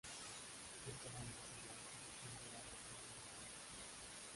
Esta danza se realiza liderado por un vocalista.